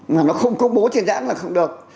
mà nó không công bố trên dãn là không được